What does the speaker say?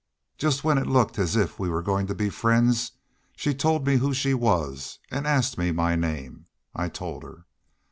Just when it looked as if we were goin' to be friends she told me who she was and asked me my name. I told her.